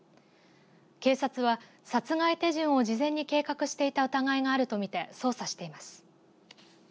警察は殺害手順を事前に計画していた疑いがあると見て捜査しています。